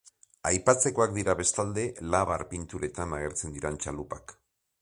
Aipatzekoak dira bestalde, labar-pinturetan agertzen diren txalupak.